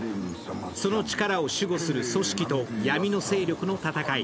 その力を守護する組織と闇の勢力の戦い。